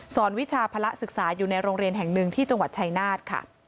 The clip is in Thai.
วิชาภาระศึกษาอยู่ในโรงเรียนแห่งหนึ่งที่จังหวัดชายนาฏค่ะ